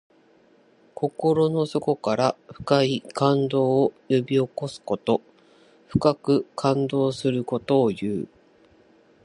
心の底から深い感動を呼び起こすこと。深く感動することをいう。